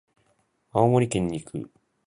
青森県に行く。